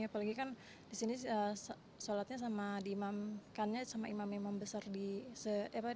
apalagi kan di sini sholatnya sama di imam kannya sama imam imam besar di apa di